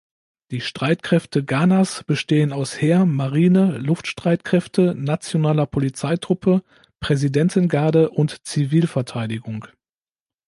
Die Streitkräfte Ghanas bestehen aus Heer, Marine, Luftstreitkräfte, Nationaler Polizeitruppe, Präsidentengarde und Zivilverteidigung.